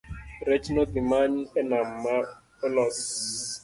rech nodhimany e nam ma olos